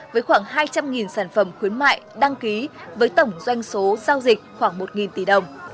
với khoảng hai trăm linh sản phẩm khuyến mại đăng ký với tổng doanh số giao dịch khoảng một tỷ đồng